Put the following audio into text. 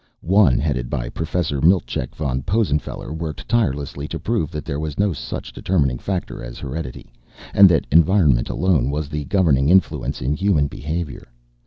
One, headed by Professor Miltcheck von Possenfeller, worked tirelessly to prove that there was no such determining factor as heredity, and that environment alone was the governing influence in human behavior.